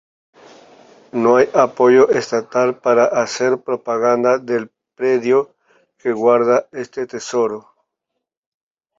No hay apoyo estatal para hacer propaganda del predio que guarda este tesoro.